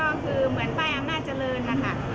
ก็คือเหมือนป้ายอำนาจเจริญนะคะ